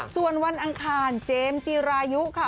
ส่วนวันอังคารเจมส์จีรายุค่ะ